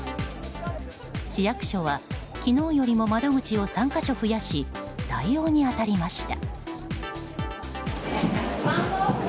市役所は、昨日よりも窓口を３か所増やし対応に当たりました。